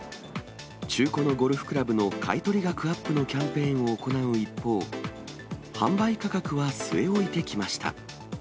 中古のゴルフクラブの買い取り額アップのキャンペーンを行う一方、販売価格は据え置いてきました。